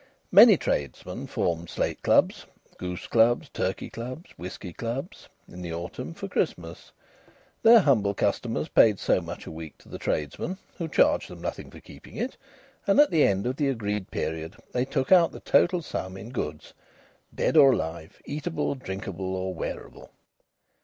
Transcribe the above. Many tradesmen formed slate clubs goose clubs, turkey clubs, whisky clubs in the autumn, for Christmas. Their humble customers paid so much a week to the tradesmen, who charged them nothing for keeping it, and at the end of the agreed period they took out the total sum in goods dead or alive; eatable, drinkable, or wearable.